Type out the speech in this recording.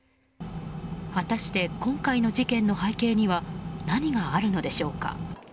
果たして、今回の事件の背景には何があるのでしょうか。